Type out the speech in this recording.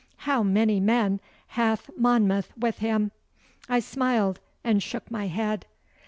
'How many men hath Monmouth with him?' I smiled and shook my head.